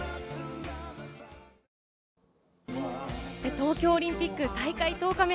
東京オリンピック大会１０日目。